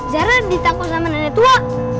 jarang ditangkul sama nenek tua